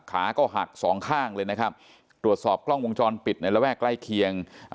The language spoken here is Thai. ขาก็หักสองข้างเลยนะครับตรวจสอบกล้องวงจรปิดในระแวกใกล้เคียง